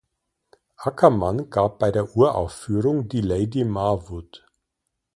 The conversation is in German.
Ackermann gab bei der Uraufführung die Lady Marwood.